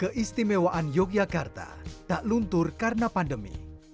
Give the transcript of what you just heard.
keistimewaan yogyakarta tak luntur karena pandemi